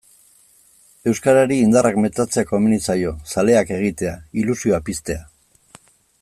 Euskarari indarrak metatzea komeni zaio, zaleak egitea, ilusioa piztea.